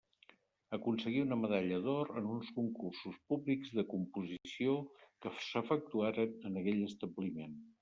Aconseguí una medalla d'or en uns concursos públics de composició que s'efectuaren en aquell establiment.